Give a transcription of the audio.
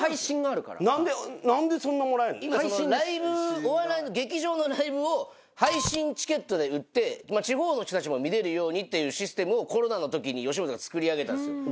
今お笑いの劇場のライブを配信チケットで売って地方の人たちも見れるようにっていうシステムをコロナの時に吉本が作り上げたんですよ。